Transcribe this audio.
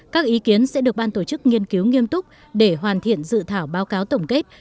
các ý kiến sẽ được ban tổ chức nghiên cứu nghiêm túc để hoàn thiện dự thảo báo cáo tổng kết